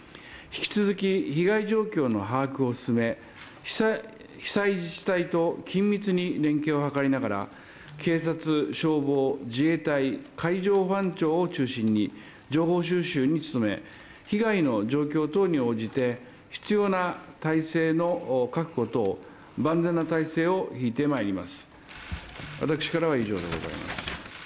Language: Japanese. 引き続き、被害状況の把握を進め、被災自治体と緊密に連携を図りながら、警察、消防、自衛隊、海上保安庁を中心に情報収集に努め、被害の状況等に応じて必要な体制の確保等、万全な体制を引いてまいります。